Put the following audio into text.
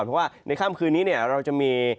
เพราะว่าในค่ำคืนนี้เราจะมี